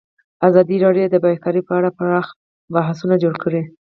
ازادي راډیو د بیکاري په اړه پراخ بحثونه جوړ کړي.